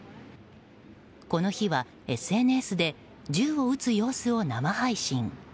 この日はＳＮＳで銃を撃つ様子を生配信。